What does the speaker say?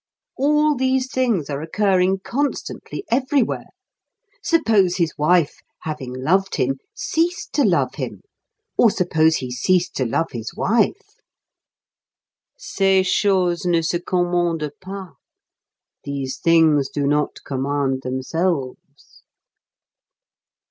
All these things are occurring constantly everywhere. Suppose his wife, having loved him, ceased to love him, or suppose he ceased to love his wife! Ces choses ne se commandent pas these things do not command themselves.